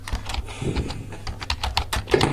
Es becada de la Fundación Yehudi Menuhin Live Music Now.